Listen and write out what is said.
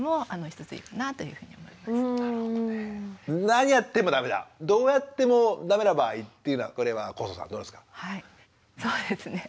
何やってもダメだどうやってもダメな場合っていうのはこれは祖さんどうですか？